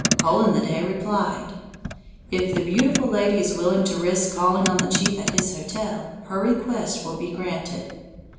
Hole in the Day replied: "If the beautiful lady is willing to risk calling on the chief at his hotel, her request will be granted."